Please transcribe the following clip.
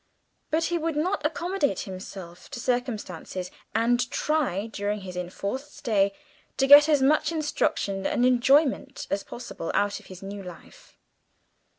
But he would not accommodate himself to circumstances, and try, during his enforced stay, to get as much instruction and enjoyment as possible out of his new life.